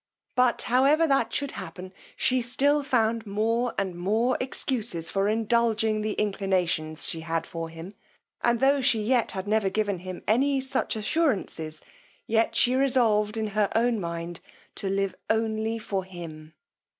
But however that should happen, she still found more and more excuses for indulging the inclinations she had for him; and tho' she yet had never given him any such assurances, yet she resolved in her own mind, to live only for him.